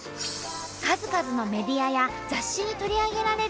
数々のメディアや雑誌に取り上げられる名店。